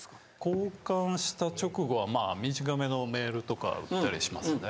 交換した直後は短めのメールとか打ったりしますね。